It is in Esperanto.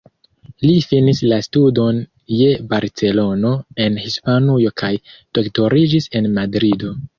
Li finis la studon je Barcelono en Hispanujo kaj doktoriĝis en Madrido.